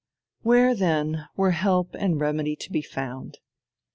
Where, then, were help and a remedy to be found?